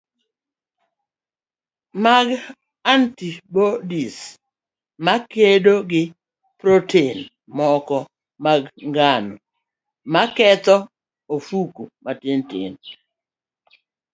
mag antibodies makedo gi protein moko mag ngano maketho ofuko matinni,